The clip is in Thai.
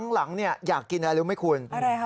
หลังอยากกินอะไรรู้ไหมคุณอะไรคะ